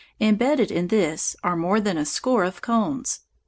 Embedded in this are more than a score of cones.